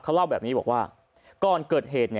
เขาเล่าแบบนี้บอกว่าก่อนเกิดเหตุ